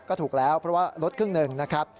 ก็ถูกแล้วเพราะว่าลดครึ่งหนึ่งนะครับ